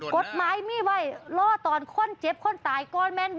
กฎหมายนี่ไว่รอตอนคนเจ็บคนตายกลมินบ่อ